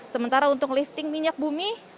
sementara untuk lifting minyak bumi